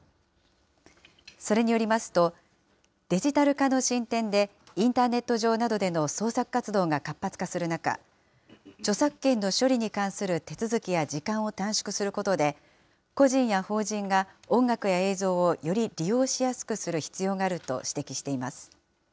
それによりますと、デジタル化の進展で、インターネット上などでの創作活動が活発化する中、著作権の処理に関する手続きや時間を短縮することで、個人や法人が音楽や映像をより利用しやすくする必要があると指摘しています。